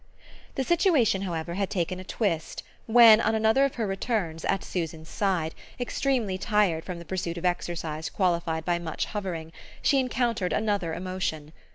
The situation however, had taken a twist when, on another of her returns, at Susan's side, extremely tired, from the pursuit of exercise qualified by much hovering, she encountered another emotion.